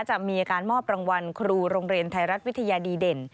จะมีการมอบรางวัลครูโรงเรียนไทยรัฐวิทยาดีเด่น